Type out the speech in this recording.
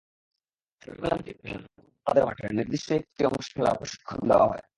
ছোটবেলা থেকে পেশাদার ফুটবলারদের মাঠের নির্দিষ্ট একটি অংশে খেলার প্রশিক্ষণই দেওয়া হয়।